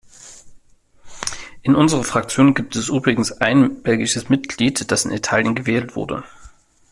In unserer Fraktion gibt es übrigens ein belgisches Mitglied, das in Italien gewählt wurde.